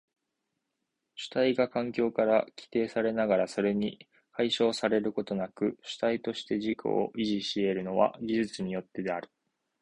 主体が環境から規定されながらそれに解消されることなく主体として自己を維持し得るのは技術によってである。